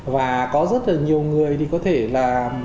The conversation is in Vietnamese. và có rất là nhiều người thì có thể là